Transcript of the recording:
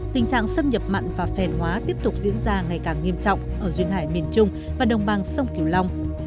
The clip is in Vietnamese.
tình trạng xâm nhập mặn và phèn hóa tiếp tục diễn ra ngày càng nghiêm trọng ở duyên hải miền trung và đồng bằng sông kiều long